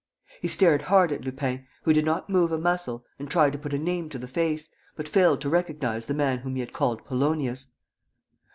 He stared hard at Lupin, who did not move a muscle, and tried to put a name to the face, but failed to recognize the man whom he had called Polonius.